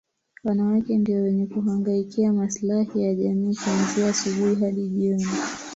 Wanawake ndio wenye kuhangaikia maslahi ya jamii kuanzia asubuhi hadi jioni